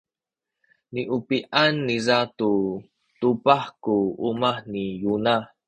niubi’an niza tu tubah ku umah ni Yona.